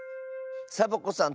サボ子さん